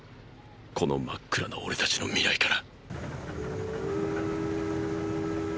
この真っ暗な俺たちの未来から。